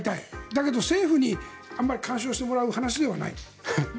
だけど政府にあんまり干渉してもらう話ではない。